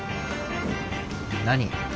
何？